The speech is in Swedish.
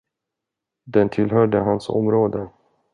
Den tillhörde hans område.